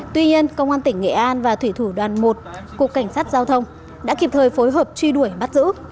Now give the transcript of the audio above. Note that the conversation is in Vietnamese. tuy nhiên công an tỉnh nghệ an và thủy thủ đoàn một cục cảnh sát giao thông đã kịp thời phối hợp truy đuổi bắt giữ